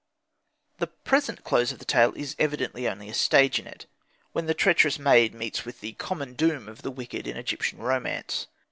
The present close of the tale is evidently only a stage in it, when the treacherous maid meets with the common doom of the wicked in Egyptian romance.